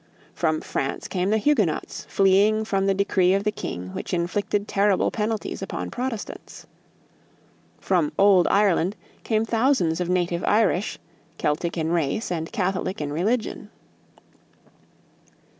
From France came the Huguenots fleeing from the decree of the king which inflicted terrible penalties upon Protestants. From "Old Ireland" came thousands of native Irish, Celtic in race and Catholic in religion.